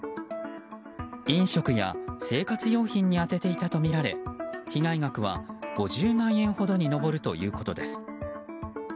飲食や生活用品に充てていたとみられ被害額は５０万円ほどに上るということです。